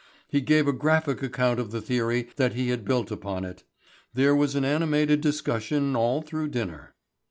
He gave a graphic account of the theory that he had built upon it. There was an animated discussion all through dinner.